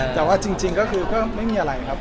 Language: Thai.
แต่ว่าจริงก็คือก็ไม่มีอะไรครับ